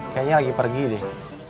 kayaknya lagi pergi deh